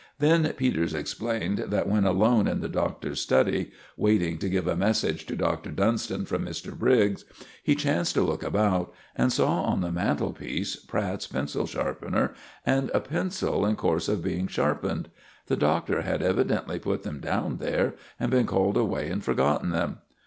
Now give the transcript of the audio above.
Then Peters explained that when alone in the Doctor's study, waiting to give a message to Dr. Dunstan from Mr. Briggs, he chanced to look about, and saw on the mantelpiece Pratt's pencil sharpener and a pencil in course of being sharpened. The Doctor had evidently put them down there and been called away and forgotten them.